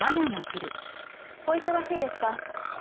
お忙しいですか？